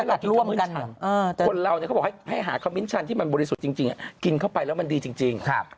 เขาจะบอกให้หาคำมิญชันที่มันบริสุทธิ์จริงกินเข้าไปแล้วมันดีจริง